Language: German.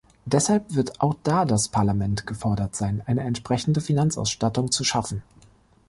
Deshalb wird auch da das Parlament gefordert sein, eine entsprechende Finanzausstattung zu schaffen.